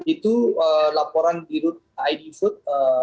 itu laporan di id food